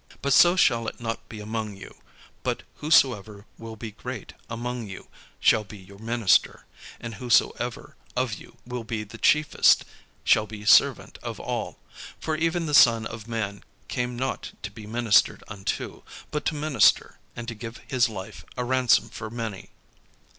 But so shall it not be among you: but whosoever will be great among you, shall be your minister: and whosoever of you will be the chiefest, shall be servant of all. For even the Son of man came not to be ministered unto, but to minister, and to give his life a ransom for many."